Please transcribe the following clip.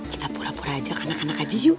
kita pura pura aja anak anak aja yuk